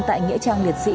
tại nghĩa trang liệt sĩ